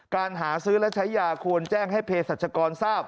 การหาซื้อและใช้ยาควรแจ้งให้เพศรัชกรทราบ